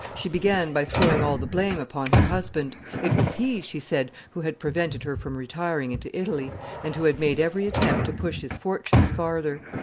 She began by throwing all the blame upon her husband; it was he, she said, who had prevented her from retiring into Italy, and who had made every attempt to push his fortunes farther.